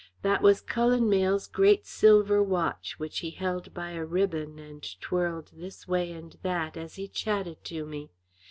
That was Cullen Mayle's great silver watch which he held by a ribbon and twirled this way and that as he chatted to me.